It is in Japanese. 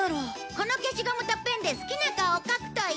この消しゴムとペンで好きな顔を描くといいよ